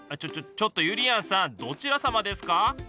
ちょっとゆりやんさんどちらさまですか？